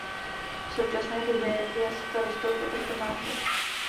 V současné době je starostou Petr Tomášek.